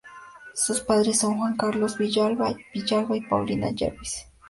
Sus padres son Juan Carlos Villalba Villalba y Paulina Jervis.